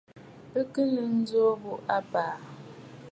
Bɨ kɨ̀ nɨ̌ŋ ǹjò ghu abàà.